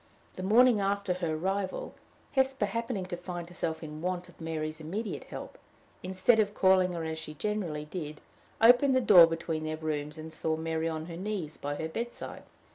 The morning after her arrival, Hesper, happening to find herself in want of Mary's immediate help, instead of calling her as she generally did, opened the door between their rooms, and saw Mary on her knees by her bedside.